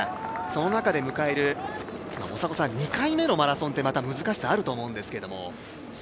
その中で迎える２回目のマラソンって難しさあると思うんですけど。